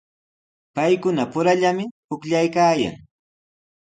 Paykunapurallami pukllaykaayan.